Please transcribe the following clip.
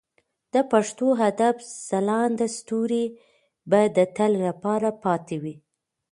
د پښتو ادب ځلانده ستوري به د تل لپاره پاتې وي.